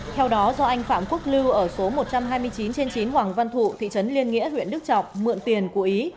theo đó do anh phạm quốc lưu ở số một trăm hai mươi chín trên chín hoàng văn thụ thị trấn liên nghĩa huyện đức trọng mượn tiền của ý